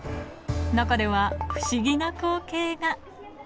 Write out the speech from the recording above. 中では、不思議な光景が。